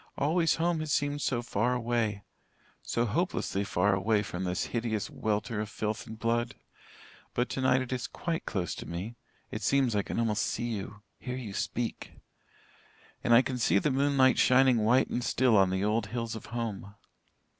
Always home has seemed so far away so hopelessly far away from this hideous welter of filth and blood. But tonight it is quite close to me it seems to me I can almost see you hear you speak. And I can see the moonlight shining white and still on the old hills of home.